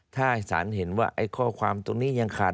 ถ้าให้สารเห็นว่าไอ้ข้อความตรงนี้ยังขาด